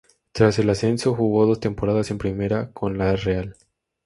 Tras el ascenso jugó dos temporadas en Primera con la Real.